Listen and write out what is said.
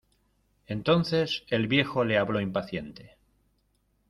entonces el viejo le habló impaciente: